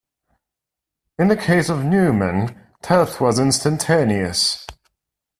In the case of Newman, death was instantaneous.